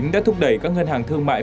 đã thúc đẩy các ngân hàng thương mại